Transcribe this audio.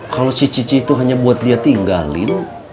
kalau si cici itu hanya buat dia tinggalin